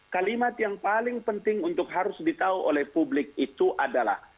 kalimat yang paling penting untuk harus ditahu oleh publik itu adalah